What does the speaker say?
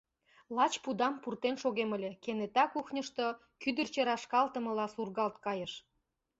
Лач пудам пуртен шогем ыле, кенета кухньышто кӱдырчӧ рашкалтымыла сургалт кайыш...